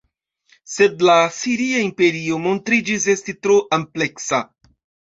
Sed la asiria imperio montriĝis esti tro ampleksa.